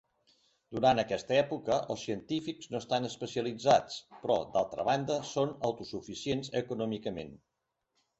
Durant aquesta època, els científics no estan especialitzats, però, d'altra banda, són autosuficients econòmicament.